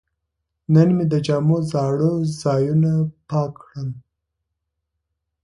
نن مې د جامو زاړه ځایونه پاک کړل.